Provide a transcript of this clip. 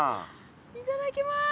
いただきます。